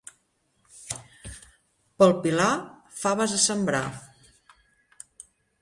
Pel Pilar, faves a sembrar.